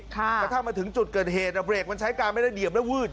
กระทั่งมาถึงจุดเกิดเหตุเบรกมันใช้การไม่ได้เหยียบและวืด